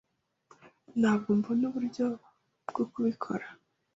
Ntabwo mbona uburyo bwo kubikora.